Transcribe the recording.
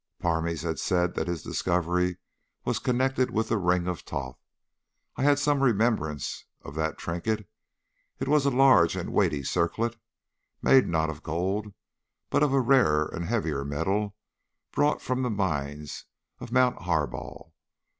"Parmes had said that his discovery was connected with the ring of Thoth. I had some remembrance of the trinket. It was a large and weighty circlet, made, not of gold, but of a rarer and heavier metal brought from the mines of Mount Harbal.